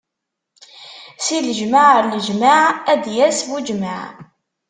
Si leǧmaɛ ar leǧmaɛ, ad d-yas bujmaɛ.